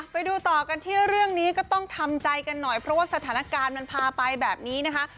ไปดูต่อกันที่เรื่องนี้ก็ต้องทำใจกันหน่อยเพราะว่าสถานการณ์มันพาไปแบบนี้นะคะ